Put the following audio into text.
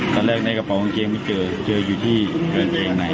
ตอนแรกในกระเป๋ากางเกงไม่เจอเจออยู่ที่เกรงใน